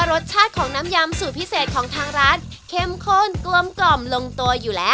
ปรับสรรค์มาติดตามได้นะครับ